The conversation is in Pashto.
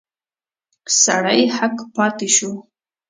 سړی هک پاته شو.